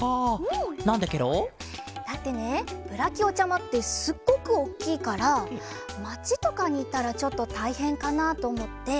なんでケロ？だってねブラキオちゃまってすっごくおっきいからまちとかにいたらちょっとたいへんかなとおもって